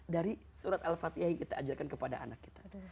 dari surat al fatihah yang kita ajarkan kepada anak kita